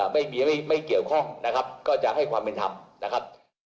ไม่เกี่ยวข้องนะครับก็จะให้ความเป็นธรรมนะครับ